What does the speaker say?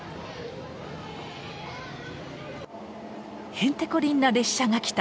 へんてこりんな列車が来た！